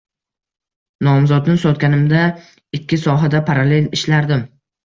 Nomzodni sotganimda ikki sohada parallel ishlardim.